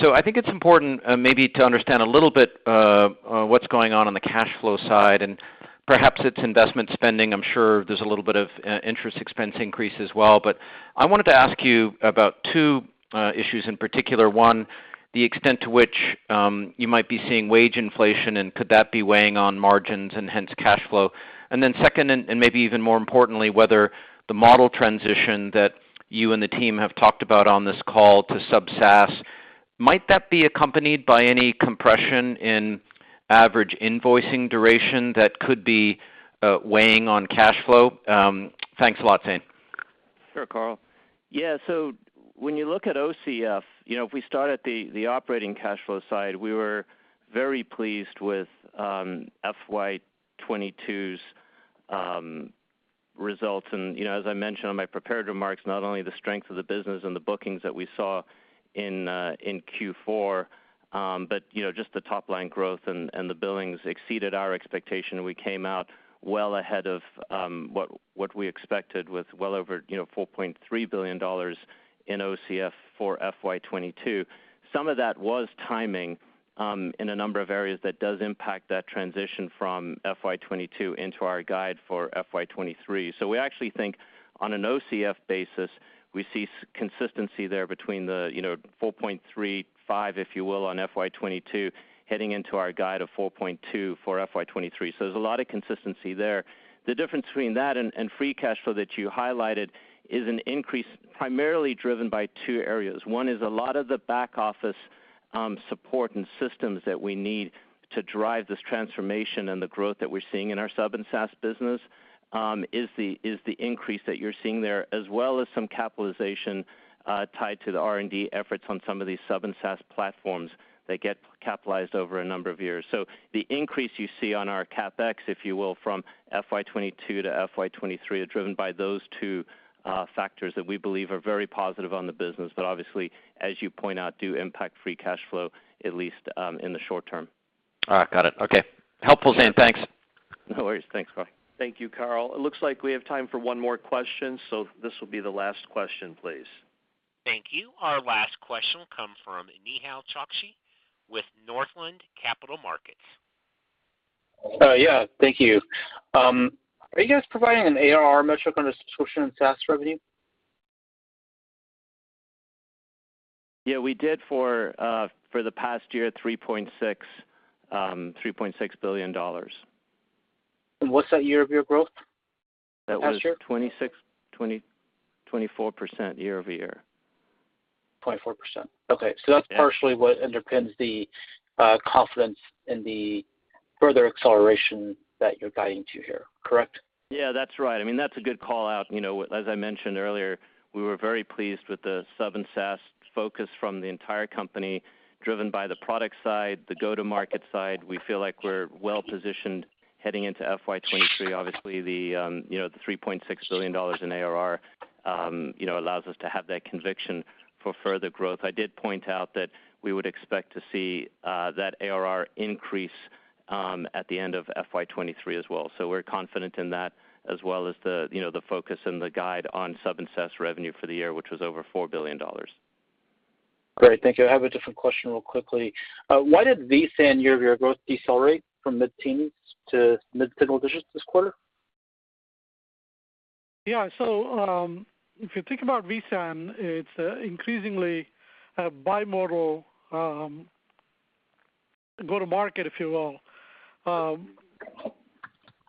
I think it's important maybe to understand a little bit what's going on on the cash flow side, and perhaps it's investment spending. I'm sure there's a little bit of interest expense increase as well. I wanted to ask you about two issues in particular. One, the extent to which you might be seeing wage inflation, and could that be weighing on margins and hence cash flow? Second, and maybe even more importantly, whether the model transition that you and the team have talked about on this call to sub and SaaS might that be accompanied by any compression in average invoicing duration that could be weighing on cash flow? Thanks a lot, Zane. Sure, Karl. Yeah. When you look at OCF, you know, if we start at the operating cash flow side, we were very pleased with FY 2022's results. You know, as I mentioned on my prepared remarks, not only the strength of the business and the bookings that we saw in Q4, but you know, just the top line growth and the billings exceeded our expectation. We came out well ahead of what we expected with well over, you know, $4.3 billion in OCF for FY 2022. Some of that was timing in a number of areas that does impact that transition from FY 2022 into our guide for FY 2023. We actually think on an OCF basis, we see consistency there between the, you know, $4.35, if you will, on FY 2022, heading into our guide of $4.2 for FY 2023. There's a lot of consistency there. The difference between that and free cash flow that you highlighted is an increase primarily driven by two areas. One is a lot of the back office support and systems that we need to drive this transformation and the growth that we're seeing in our sub and SaaS business is the increase that you're seeing there, as well as some capitalization tied to the R&D efforts on some of these sub and SaaS platforms that get capitalized over a number of years. The increase you see on our CapEx, if you will, from FY 2022 to FY 2023 are driven by those two factors that we believe are very positive on the business, but obviously, as you point out, do impact free cash flow, at least in the short term. All right. Got it. Okay. Helpful, Zane. Thanks. No worries. Thanks, Karl. Thank you, Karl. It looks like we have time for one more question. This will be the last question, please. Thank you. Our last question will come from Nehal Chokshi with Northland Capital Markets. Yeah. Thank you. Are you guys providing an ARR metric on the subscription and SaaS revenue? Yeah. We did for the past year $3.6 billion. What's that year-over-year growth, past year? That was 24% year-over-year. 24%. Okay. Yeah. That's partially what underpins the confidence in the further acceleration that you're guiding to here, correct? Yeah. That's right. I mean, that's a good call-out. You know, as I mentioned earlier, we were very pleased with the sub and SaaS focus from the entire company, driven by the product side, the go-to-market side. We feel like we're well-positioned heading into FY 2023. Obviously, the, you know, the $3.6 billion in ARR, you know, allows us to have that conviction for further growth. I did point out that we would expect to see, that ARR increase, at the end of FY 2023 as well. So we're confident in that, as well as the, you know, the focus and the guide on sub and SaaS revenue for the year, which was over $4 billion. Great. Thank you. I have a different question real quickly. Why did vSAN year-over-year growth decelerate from mid-teens to mid-single digits this quarter? Yeah. If you think about vSAN, it's increasingly a bimodal, go-to-market, if you will.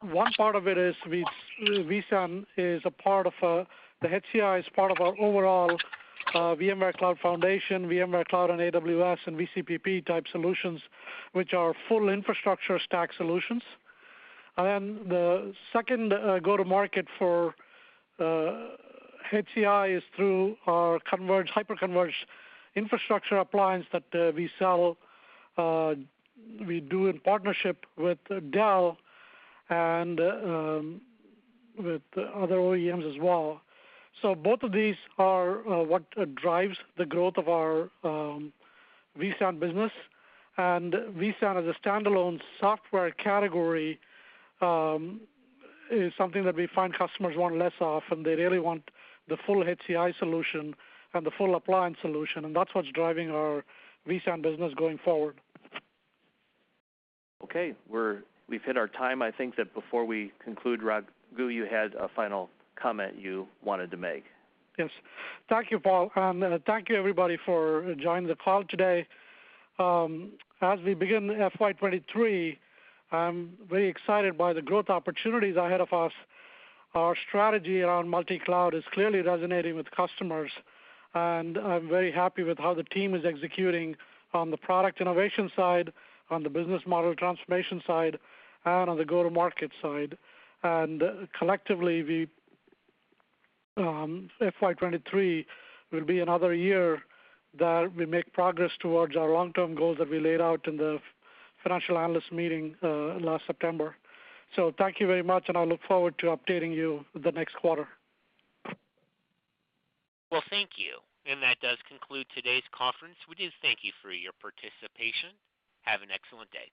One part of it is vSAN is a part of, the HCI is part of our overall, VMware Cloud Foundation, VMware Cloud on AWS and VCPP-type solutions, which are full infrastructure stack solutions. The second, go-to-market for, HCI is through our converged, hyperconverged infrastructure appliance that, we sell, we do in partnership with Dell and, with other OEMs as well. Both of these are, what drives the growth of our, vSAN business. vSAN as a standalone software category, is something that we find customers want less of, and they really want the full HCI solution and the full appliance solution, and that's what's driving our vSAN business going forward. Okay. We've hit our time. I think that before we conclude, Raghu, you had a final comment you wanted to make. Yes. Thank you, Paul. Thank you, everybody, for joining the call today. As we begin FY 2023, I'm very excited by the growth opportunities ahead of us. Our strategy around multi-cloud is clearly resonating with customers, and I'm very happy with how the team is executing on the product innovation side, on the business model transformation side, and on the go-to-market side. Collectively, we, FY 2023 will be another year that we make progress towards our long-term goals that we laid out in the financial analyst meeting last September. Thank you very much, and I look forward to updating you the next quarter. Well, thank you. That does conclude today's conference. We do thank you for your participation. Have an excellent day.